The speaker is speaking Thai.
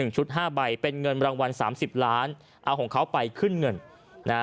ชุด๕ใบเป็นเงินรางวัล๓๐ล้านเอาของเขาไปขึ้นเงินนะฮะ